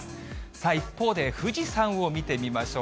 さあ、一方で富士山を見てみましょう。